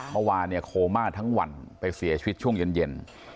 เมื่อวานเนี่ยโคม่าทั้งวันไปเสียชีวิตช่วงเย็น